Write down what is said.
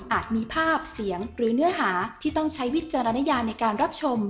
มีภาพเสียงหรือเนื้อหาที่ต้องใช้วิจารณญาในการรับชม